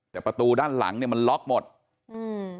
แต่ประตูด้านหลังเนี้ยมันล็อกหมดอืม